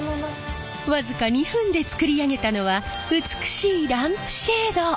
僅か２分で作り上げたのは美しいランプシェード！